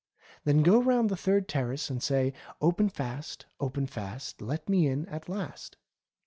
Then go round the third terrace and say : 'Open fast, open fast. Let me in at last.'